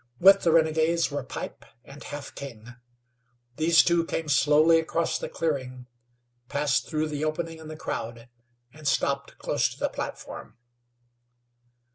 With the renegades were Pipe and Half King. These two came slowly across the clearing, passed through the opening in the crowd, and stopped close to the platform.